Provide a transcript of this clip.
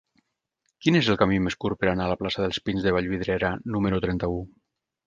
Quin és el camí més curt per anar a la plaça dels Pins de Vallvidrera número trenta-u?